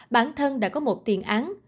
bản thân đã có một tiền án